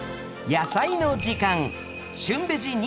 「やさいの時間」